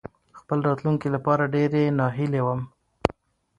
خپل راتلونکې لپاره ډېرې ناهيلې وم.